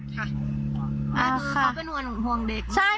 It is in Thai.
คือเขาเป็นห่วงเด็กไหม